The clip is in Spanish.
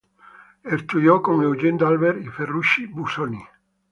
Estudió con Eugen d'Albert y Ferruccio Busoni.